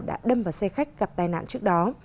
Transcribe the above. đã đâm vào xe khách gặp tai nạn trước đó